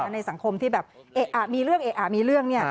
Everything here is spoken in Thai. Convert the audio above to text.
ในสังคมที่แบบมีเรื่องเอะอะมีเรื่อง